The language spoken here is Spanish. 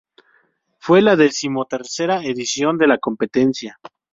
Fue la decimotercera edición de la competencia.